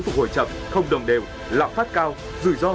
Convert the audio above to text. phục hồi chậm không đồng đều lạc phát cao rủi ro